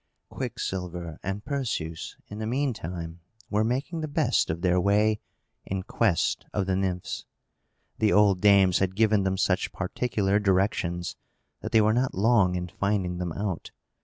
Quicksilver and Perseus, in the meantime, were making the best of their way in quest of the Nymphs. The old dames had given them such particular directions that they were not long in finding them out.